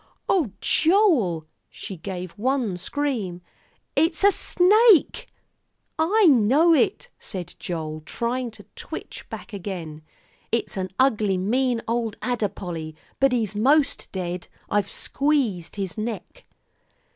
"Oh, Joel!" She gave one scream, "It's a snake!" "I know it," said Joel, trying to twitch back again; "it's an ugly mean old adder, Polly, but he's most dead. I've squeezed his neck."